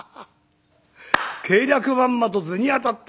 計略まんまと図に当たった。